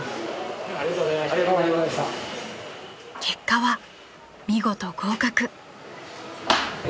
［結果は見事合格］